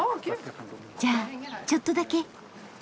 じゃあちょっとだけ。